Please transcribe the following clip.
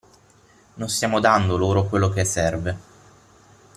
Non stiamo dando loro quello che serve.